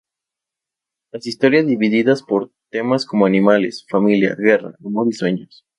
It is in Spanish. Las historias divididas por temas como animales, familia, guerra, amor, sueños.